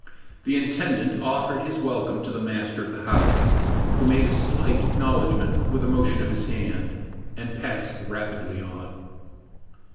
The intendant offered his welcome to the master of the house, who made a slight acknowledgment with a motion of his hand, and passed rapidly on.